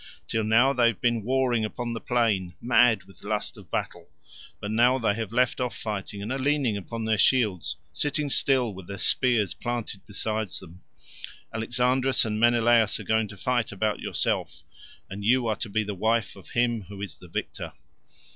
Till now they have been warring upon the plain, mad with lust of battle, but now they have left off fighting, and are leaning upon their shields, sitting still with their spears planted beside them. Alexandrus and Menelaus are going to fight about yourself, and you are to be the wife of him who is the victor."